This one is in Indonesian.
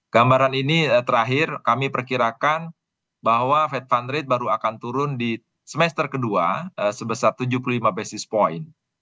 gambaran ini terakhir kami perkirakan bahwa fed fund rate baru akan turun di semester kedua sebesar tujuh puluh lima basis point